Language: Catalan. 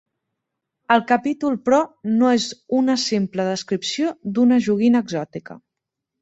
El capítol però, no és una simple descripció d'una joguina exòtica.